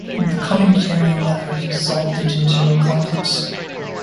The communitarian efforts dissolved due to internal conflicts.